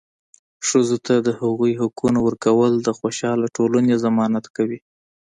ښځو ته د هغوي حقونه ورکول د خوشحاله ټولنې ضمانت کوي.